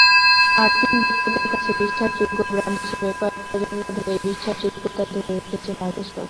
মার্কিন ভোক্তাদের কাছে বিশ্বাসযোগ্য ব্র্যান্ড হিসেবে কয়েক প্রজন্ম ধরেই বিশ্বাসযোগ্যতা ধরে রেখেছে মাইক্রোসফট।